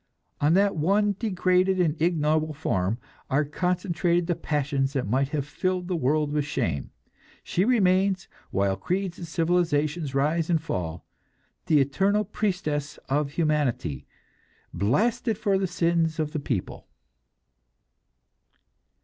On that one degraded and ignoble form are concentrated the passions that might have filled the world with shame. She remains, while creeds and civilizations rise and fall, the eternal priestess of humanity, blasted for the sins of the people."